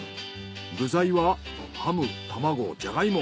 具材はハム卵ジャガイモ。